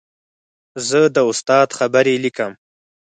زه د استاد خبرې لیکم.